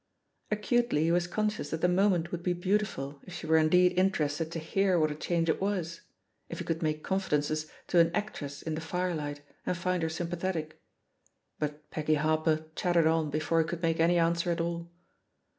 Acutely he was conscious that; the moment would be beautiful if she were indeed interested to hear what a change it was — ^if he could make confidences to an actress in the firelight and find her sympathetic. But Peggy Harper chattered on before he could make any answer at all.